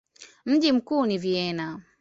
Mji mkuu ni Vienna.